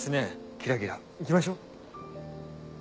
キラキラ行きましょう。